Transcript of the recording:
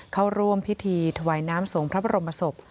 เข้าร่วมพิธีถวายน้ำส่งพระบรมศพ